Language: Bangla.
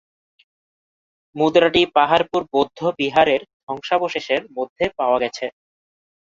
মুদ্রাটি পাহাড়পুর বৌদ্ধ বিহারের ধ্বংসাবশেষের মধ্যে পাওয়া গেছে।